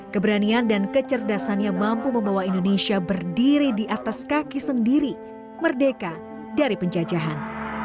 keberanian dan kecerdasannya mampu membawa indonesia berdiri di atas kaki sendiri merdeka dari penjajahan